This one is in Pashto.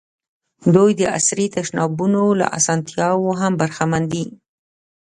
دوی د عصري تشنابونو له اسانتیاوو هم برخمن دي.